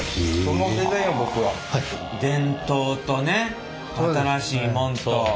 伝統とね新しいもんと。